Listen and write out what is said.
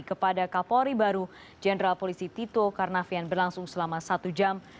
kepada kapolri baru jenderal polisi tito karnavian berlangsung selama satu jam